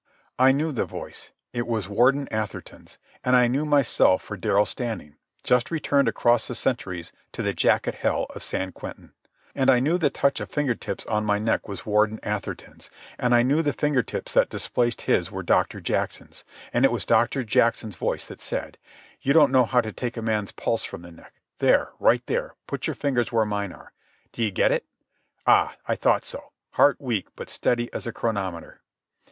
I knew the voice. It was Warden Atherton's. And I knew myself for Darrell Standing, just returned across the centuries to the jacket hell of San Quentin. And I knew the touch of finger tips on my neck was Warden Atherton's. And I knew the finger tips that displaced his were Doctor Jackson's. And it was Doctor Jackson's voice that said: "You don't know how to take a man's pulse from the neck. There—right there—put your fingers where mine are. D'ye get it? Ah, I thought so. Heart weak, but steady as a chronometer."